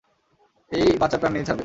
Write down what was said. এই বাচ্চা প্রাণ নিয়েই ছাড়বে।